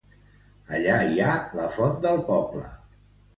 Allí hi ha la font del poble.